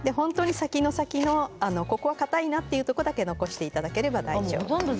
先の先のかたいなというところだけ残していっていただければ大丈夫です。